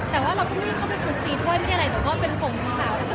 จะทำยังไงก็คือเจอค่ะ